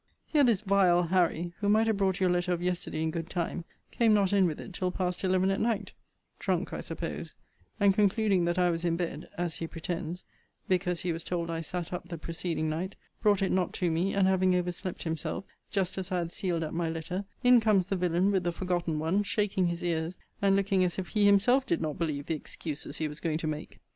Here, this vile Harry, who might have brought your letter of yesterday in good time, came not in with it till past eleven at night (drunk, I suppose); and concluding that I was in bed, as he pretends (because he was told I sat up the preceding night) brought it not to me; and having overslept himself, just as I had sealed up my letter, in comes the villain with the forgotten one, shaking his ears, and looking as if he himself did not believe the excuses he was going to make.